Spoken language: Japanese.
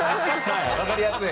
わかりやすい。